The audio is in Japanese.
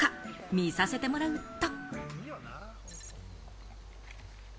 見させてもらうと。